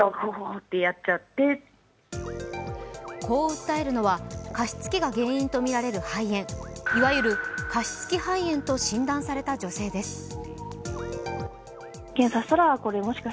こう訴えるのは加湿器が原因とみられる肺炎いわゆる加湿器肺炎と診断された女性です。